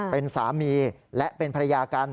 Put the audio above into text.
เป็นสามีและเป็นภรรยากัน